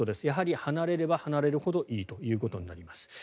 やはり離れれば離れるほどいいということになります。